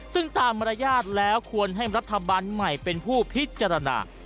ซึ่งตามมารยาทแล้วควรให้รัฐบาลใหม่เป็นผู้พิจารณา